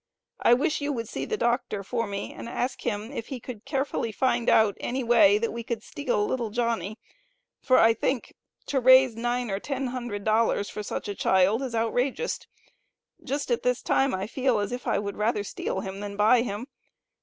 i wish yoo would see the Doctor for me and ask him if he could carefully find out any way that we could steal little Johny for i think to raise nine or ten hundred dollars for such a child is outraigust. just at this time i feel as if i would rather steal him than to buy him.